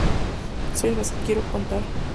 Son estas historias las que quiero contar.